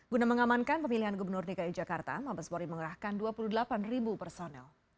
guna mengamankan pemilihan gubernur dki jakarta mabespori mengerahkan dua puluh delapan personel